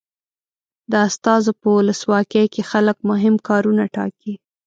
د استازو په ولسواکي کې خلک مهم کارونه ټاکي.